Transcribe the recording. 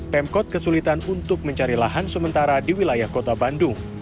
pemkot kesulitan untuk mencari lahan sementara di wilayah kota bandung